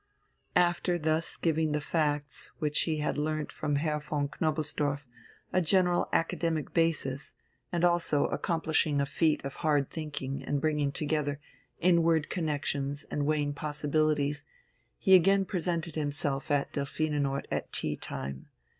After thus giving the facts which he had learnt from Herr von Knobelsdorff a general academic basis, and also accomplishing a feat of hard thinking in bringing together inward connexions and weighing possibilities, he again presented himself at Delphinenort at tea time.